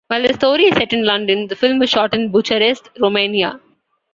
While the story is set in London, the film was shot in Bucharest, Romania.